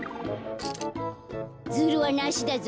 ズルはなしだぞ。